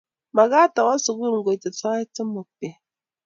magaat awe sugul ngoite sait somok beet